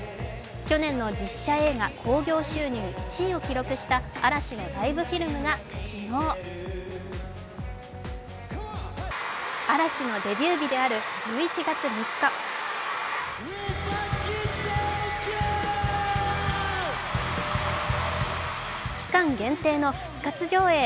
去年の実写映画興行収入１位を記録した「嵐」のライブフィルムが昨日嵐のデビュー日である１１月３日期間限定の復活上映。